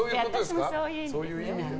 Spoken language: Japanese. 私もそういう意味です。